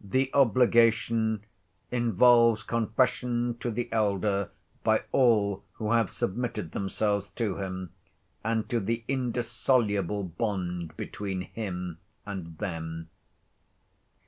The obligation involves confession to the elder by all who have submitted themselves to him, and to the indissoluble bond between him and them.